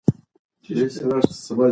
کاروونکي باید مسوول واوسي.